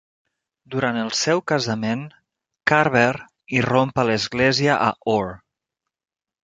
Durant el seu casament, Carver irromp a l'església a Oare.